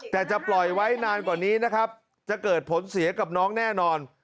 แต่จะปล่อยไว้นานกว่านี้นะครับจะเกิดผลเสียกับน้องแน่นอน